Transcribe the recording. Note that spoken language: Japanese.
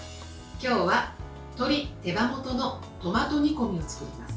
今日は「鶏手羽元のトマト煮込み」を作ります。